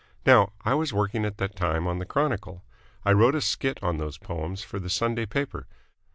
Now, I was working at that time on the Chronicle. I wrote a skit on those poems for the Sunday paper.